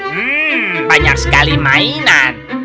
hmm banyak sekali mainan